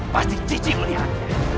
pasti cici melihatnya